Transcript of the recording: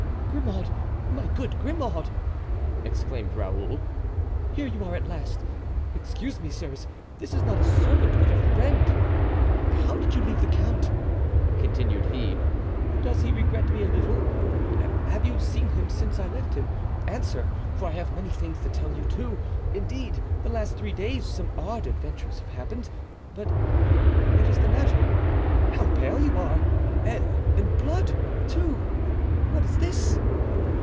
"Grimaud, my good Grimaud!" exclaimed Raoul "here you are at last! Excuse me, sirs, this is not a servant, but a friend. How did you leave the count?" continued he. "Does he regret me a little? Have you seen him since I left him? Answer, for I have many things to tell you, too; indeed, the last three days some odd adventures have happened—but what is the matter? how pale you are! and blood, too! What is this?"